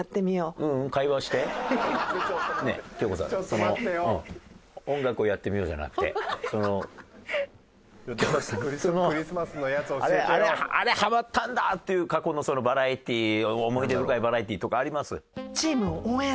ねえ京子さんその「音楽をやってみよう」じゃなくて。そのそのあれハマったんだっていう過去のバラエティ思い出深いバラエティとかあります？